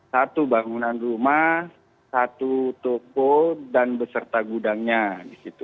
satu bangunan rumah satu toko dan beserta gudangnya di situ